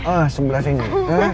ah sebelah sini